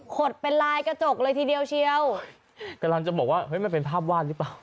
ดเป็นลายกระจกเลยทีเดียวเชียวกำลังจะบอกว่าเฮ้ยมันเป็นภาพวาดหรือเปล่า